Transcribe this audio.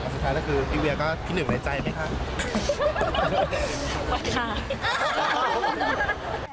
สุดท้ายคือพี่เวียก็พินึกในใจไหมคะ